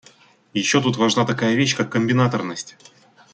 Еще тут важна такая вещь, как комбинаторность.